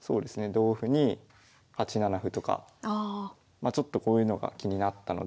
同歩に８七歩とかちょっとこういうのが気になったので。